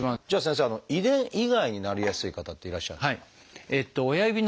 じゃあ先生遺伝以外になりやすい方っていらっしゃるんですか？